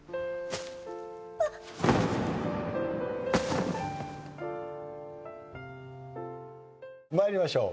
「あっ」参りましょう。